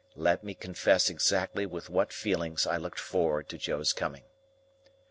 Let me confess exactly with what feelings I looked forward to Joe's coming.